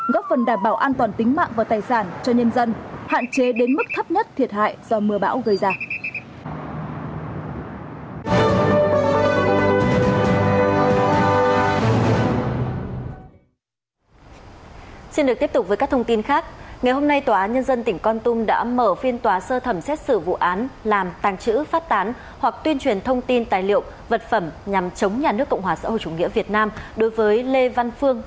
góp phần đảm bảo an toàn tính mạng và tài sản cho nhân dân hạn chế đến mức thấp nhất thiệt hại do mưa bão gây ra